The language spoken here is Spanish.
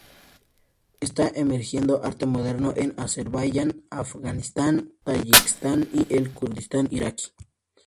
Está emergiendo arte moderno en Azerbaiyán, Afganistán, Tayikistán y el Kurdistán iraquí.